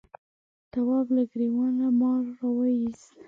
تواب له گرېوانه مار راوایست.